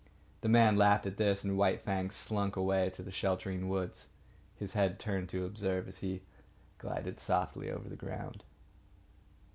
The man laughed at this; and White Fang slunk away to the sheltering woods, his head turned to observe as he glided softly over the ground.